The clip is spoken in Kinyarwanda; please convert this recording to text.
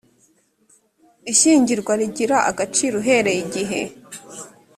ishyingirwa rigira agaciro uhereye igihe